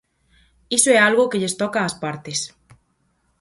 Iso é algo que lles toca ás partes.